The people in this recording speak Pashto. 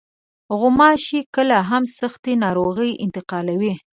غوماشې کله هم سختې ناروغۍ انتقالوي.